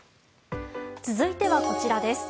続いてはこちらです。